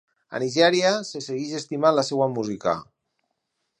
A Nigèria, se segueix estimant la seva música.